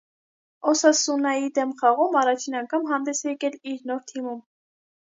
«Օսասունայի» դեմ խաղում առաջին անգամ հանդես է եկել իր նոր թիմում։